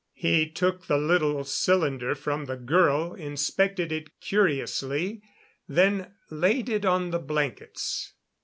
He took the little cylinder from the girl, inspected it curiously, then laid it on the blankets.